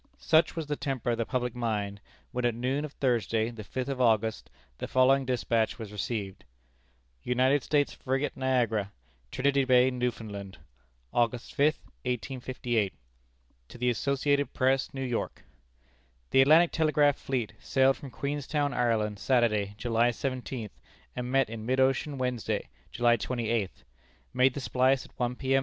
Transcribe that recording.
Such was the temper of the public mind, when at noon of Thursday, the fifth of August, the following despatch was received: "United States Frigate Niagara, Trinity Bay, Newfoundland, August 5, 1858. "To the Associated Press, New York: "The Atlantic Telegraph fleet sailed from Queenstown, Ireland, Saturday, July seventeenth, and met in mid ocean Wednesday, July twenty eighth. Made the splice at one P.M.